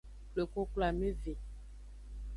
Xwle koklo ameve.